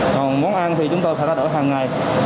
còn món ăn thì chúng tôi phải ra đổi hàng ngày